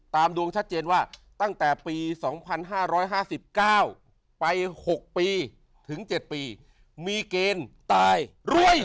ดวงชัดเจนว่าตั้งแต่ปี๒๕๕๙ไป๖ปีถึง๗ปีมีเกณฑ์ตายรวย